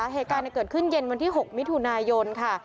เหตุการณ์เกิดขึ้นเย็นวันที่๖มิถุนายนค่ะ